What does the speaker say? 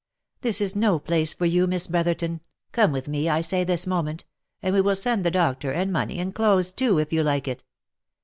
" This is no place for you, Miss Brotherton ! come with me I say this moment, and we will send the doctor, and money, and clothes too, if you like it."